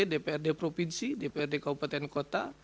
dprd provinsi dprd kabupaten kota